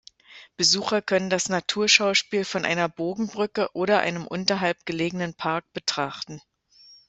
Besucher können das Naturschauspiel von einer Bogenbrücke oder von einem unterhalb gelegenen Park betrachten.